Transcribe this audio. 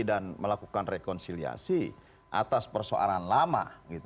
dan melakukan rekonsiliasi atas persoalan lama